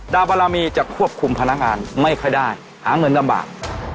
บารมีจะควบคุมพนักงานไม่ค่อยได้หาเงินลำบาก